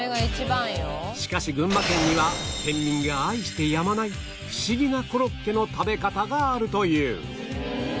しかし群馬県には県民が愛してやまないフシギなコロッケの食べ方があるという